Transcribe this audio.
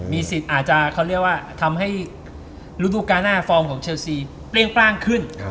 สิทธิ์อาจจะเขาเรียกว่าทำให้ฤดูการหน้าฟอร์มของเชลซีเปรี้ยงปร่างขึ้น